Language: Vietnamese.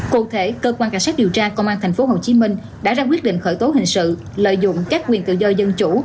cụ thể cơ quan cảnh sát điều tra công an tp hcm đã ra quyết định khởi tố hình sự lợi dụng các quyền tự do dân chủ